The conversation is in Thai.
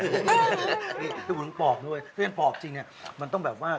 ดูเหมือนกับพ่อมึงเพราะฉะนั้นพ่อมึงจริงมันต้องแบบว่า